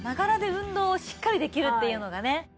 運動をしっかりできるっていうのがね。